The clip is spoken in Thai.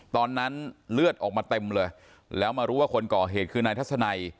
ตอนนั้นเลือดออกมาเต็มเลยแล้วมารู้ว่าคนก่อเหตุคือนายทัศนัย